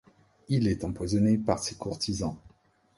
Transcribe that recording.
Il est empoisonné par ses courtisans.